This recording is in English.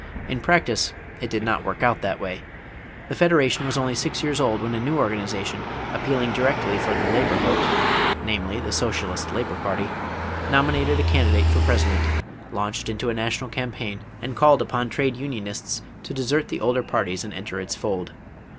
In practice it did not work out that way. The Federation was only six years old when a new organization, appealing directly for the labor vote namely, the Socialist Labor Party nominated a candidate for President, launched into a national campaign, and called upon trade unionists to desert the older parties and enter its fold.